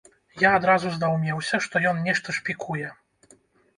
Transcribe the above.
Я адразу здаўмеўся, што ён нешта шпікуе.